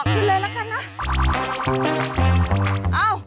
กินเลยนะคะนะ